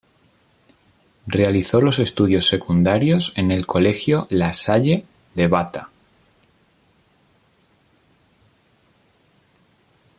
Realizó los estudios secundarios en el colegio La Salle de Bata.